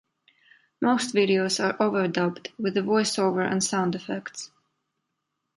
Most videos are overdubbed with a voice-over and sound effects.